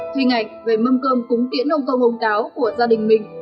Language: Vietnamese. hình ảnh về mâm cơm cúng tiễn ông công ông táo của gia đình mình